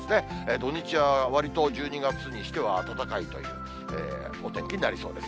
土日はわりと１２月にしては暖かいというお天気になりそうです。